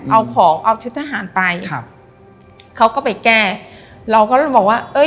เอาของเอาชุดทหารไปครับเขาก็ไปแก้เราก็เลยบอกว่าเอ้ย